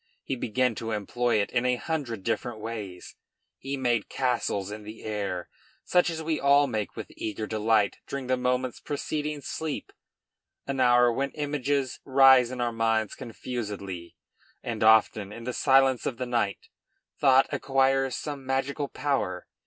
He began to employ it in a hundred different ways; he made castles in the air, such as we all make with eager delight during the moments preceding sleep, an hour when images rise in our minds confusedly, and often, in the silence of the night, thought acquires some magical power.